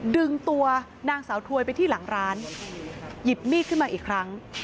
ดึงตัวนางสาวถวยไปที่หลังร้านหยิบมีดขึ้นมาอีกครั้ง